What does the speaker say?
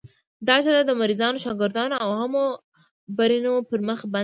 دا جاده د مریضانو، شاګردانو او عامو عابرینو پر مخ بنده وه.